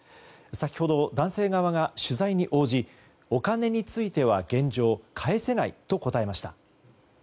先ほど、男性側が取材に応じお金については現状、返せないと答えました。